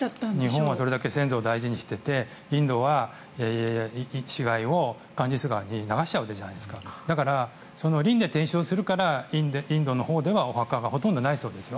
日本は大事にしていてインドは死骸をガンジス川に流しちゃうわけですからだから、輪廻転生するからインドのほうではお墓がほとんどないそうです。